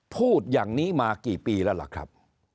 พูดอย่างนี้มากี่ปีแล้วล่ะครับ